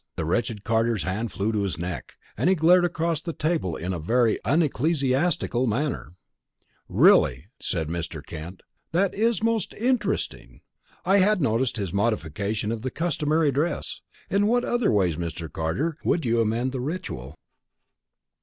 The wretched Carter's hand flew to his neck, and he glared across the table in a very unecclesiastical manner. "Really!" said Mr. Kent, "that is most interesting. I had noticed his modification of the customary dress. In what other ways, Mr. Carter, would you amend the ritual?"